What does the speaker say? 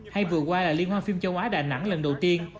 hay vừa qua là liên hoan phim châu á đà nẵng lần đầu tiên